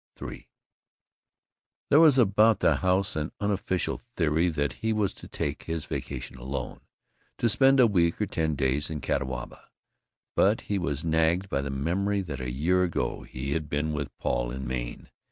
III There was about the house an unofficial theory that he was to take his vacation alone, to spend a week or ten days in Catawba, but he was nagged by the memory that a year ago he had been with Paul in Maine.